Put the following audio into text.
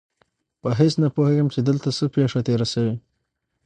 په هېڅ نه پوهېږم چې دلته څه پېښه تېره شوې.